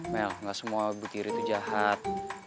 mel gak semua butir itu jahat